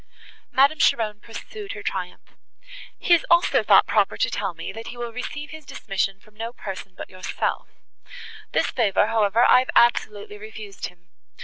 Madame Cheron pursued her triumph. "He has also thought proper to tell me, that he will receive his dismission from no person but yourself; this favour, however, I have absolutely refused him.